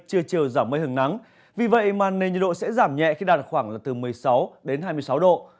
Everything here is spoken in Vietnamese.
trưa chiều giảm mây hứng nắng vì vậy mà nền nhiệt độ sẽ giảm nhẹ khi đạt khoảng một mươi sáu hai mươi sáu độ